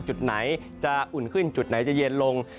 จุดไหนจะอุ่นขึ้นจุดไหนจะเย็นลง